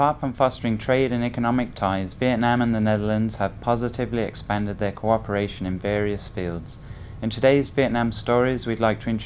trong tiểu mục chuyện việt nam ngày hôm nay xin mời quý vị và các bạn cùng gặp gỡ với đại sứ nien k trusser